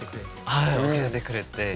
はい補ってくれて。